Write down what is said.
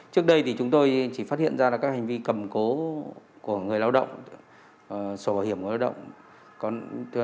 trước đây thì chúng tôi chỉ phát hiện ra là các hành vi cầm cố của người lao động sổ bảo hiểm lao động